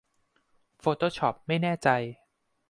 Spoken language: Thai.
โฟโต้ช็อปไม่แน่ใจ